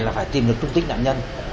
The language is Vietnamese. là phải tìm được tung tích nạn nhân